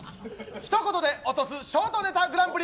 ひと言で落とすショートネタグランプリ。